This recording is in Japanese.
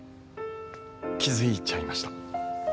気づいちゃいました。